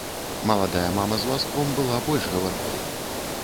Маладая мама з вазком была больш гаваркой.